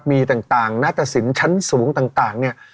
มีต่างนาตสินชั้นสูงต่างเนี่ย